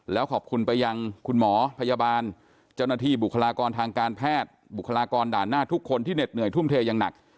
แล้วขอบคุณไปยังคุณหมอพยาบาลเจ้าหน้าที่บุคลากรทางการแพทย์บุคลากรด่านหน้าทุกคนที่เหน็ดเหนื่อยทุ่มเทอย่างหนัก